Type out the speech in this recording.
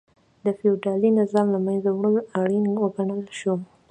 د فیوډالي نظام له منځه وړل اړین وګڼل شو.